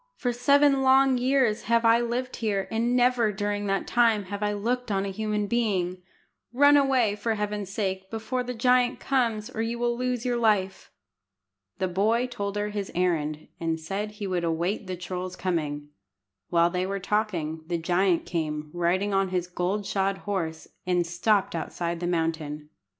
For seven long years have I lived here, and never during that time have I looked on a human being. Run away, for Heaven's sake, before the giant comes, or you will lose your life." The boy told her his errand, and said he would await the troll's coming. While they were talking, the giant came, riding on his gold shod horse, and stopped outside the mountain.